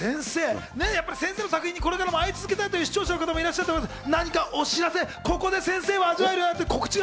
先生の作品に出会い続けたい視聴者の方がいらっしゃると思います！